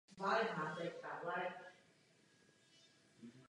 Je partnerem kubánské vládní organizace Kubánský institut přátelství mezi národy.